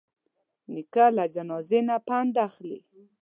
نیکه له جنازې نه پند اخلي.